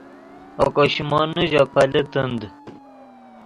اوکو شیمونے ژے پیلے تند